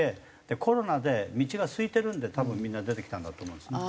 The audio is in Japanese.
でコロナで道がすいてるんで多分みんな出てきたんだと思うんですね。